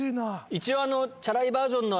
一応。